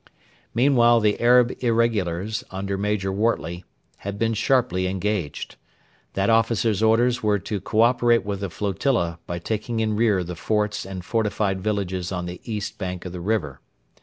Meanwhile the Arab irregulars, under Major Wortley, had been sharply engaged. That officer's orders were to co operate with the flotilla by taking in rear the forts and fortified villages on the east bank of the river.